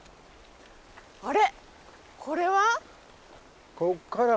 あれ？